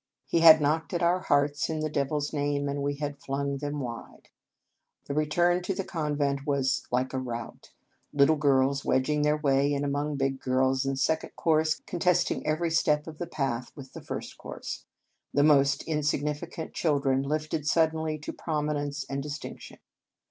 He had knocked at our hearts in the Devil s name, and we had flung them wide. The return to the convent was like a rout; little girls wedging their way in among big girls, the Second Cours contesting every step of the path with the First Cours, the most insignificant children lifted suddenly to prominence and distinc tion.